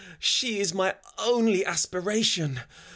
She is my only aspiration